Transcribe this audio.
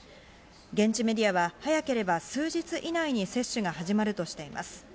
現地メディアは早ければ数日以内に接種が始まるとしています。